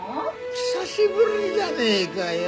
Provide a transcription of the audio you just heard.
「久しぶりじゃねえかよ」